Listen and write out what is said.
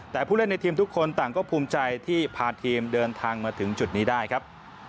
แต่ผู้เล่นในทีมทุกคนต่างก็ภูมิใจที่พาทีมเดินทางมาถึงจุดนี้ได้ครับ